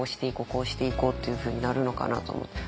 こうしていこう」っていうふうになるのかなと思って。